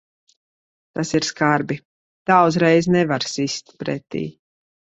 Tas ir skarbi. Tā uzreiz nevar sist pretī.